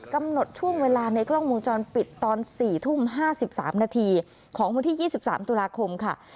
กำหนดช่วงเวลาในกล้องวงจรปิดตอน๔ทุ่ม๕๓นาทีของวันที่๒๓ตุลาคมค่ะ